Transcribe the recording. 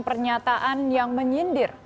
pernyataan yang menyindir